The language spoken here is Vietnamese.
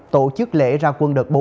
tổ chức lễ ra quân đợt bốn